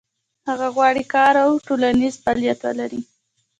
هغه غواړي کار او ټولنیز فعالیت ولري.